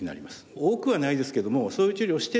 多くはないですけどもそういう治療をしてってですね。